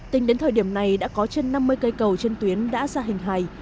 tính đến thời điểm này đã có trên năm mươi cây cầu trên tuyến đã ra hình hài